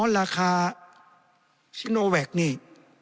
อ๋อราคาซิโนแวกนี่